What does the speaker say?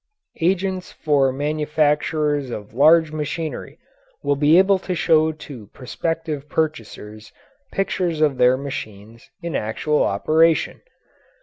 Agents for manufacturers of large machinery will be able to show to prospective purchasers pictures of their machines in actual operation.